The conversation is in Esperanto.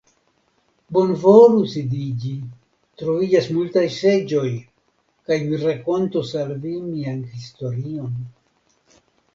Bonvolu sidiĝi, troviĝas multaj seĝoj; kaj mi rakontos al vi mian historion.